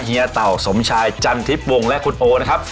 เฮีเต่าสมชายจันทิพย์วงและคุณโอนะครับ